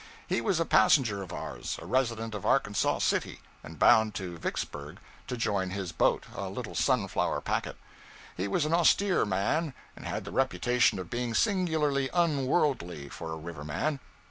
He was a passenger of ours, a resident of Arkansas City, and bound to Vicksburg to join his boat, a little Sunflower packet. He was an austere man, and had the reputation of being singularly unworldly, for a river man.